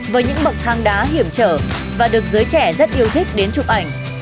với những bậc thang đá hiểm trở và được giới trẻ rất yêu thích đến chụp ảnh